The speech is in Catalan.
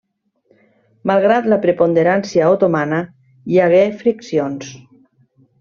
Malgrat la preponderància otomana, hi hagué friccions.